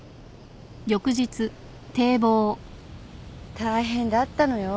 大変だったのよ